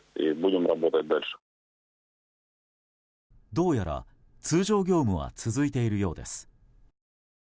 どうやら通常業務は続いているようです。